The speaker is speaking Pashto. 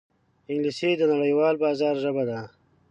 انګلیسي د نړیوال بازار ژبه ده